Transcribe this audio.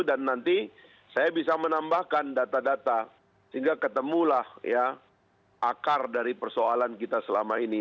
dan nanti saya bisa menambahkan data data sehingga ketemulah akar dari persoalan kita selama ini